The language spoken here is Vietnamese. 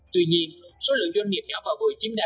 tuy nhiên số lượng doanh nghiệp nhỏ và vừa chiếm đa số